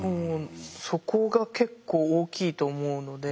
そこが結構大きいと思うので。